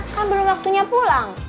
kan belum waktunya pulang